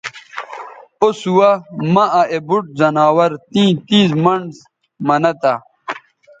او سُوہ مہ آ اے بُوٹ زناور تیں تیز منڈ منہ تہ